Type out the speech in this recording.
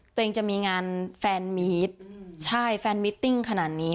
ตัวเองจะมีงานแฟนมิตใช่แฟนมิตติ้งขนาดนี้